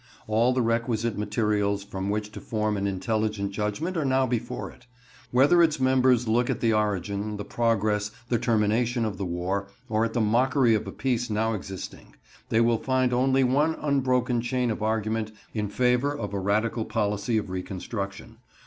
All the requisite materials from which to form an intelligent judgment are now before it. Whether its members look at the origin, the progress, the termination of the war, or at the mockery of a peace now existing, they will find only one unbroken chain of argument in favor of a radical policy of reconstruction.